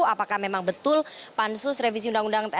apakah memang betul pansus revisi undang undang tni